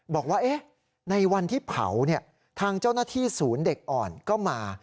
บอกว่าในวันที่เผาทางเจ้าหน้าที่ศูนย์เด็กอ่อนก็มา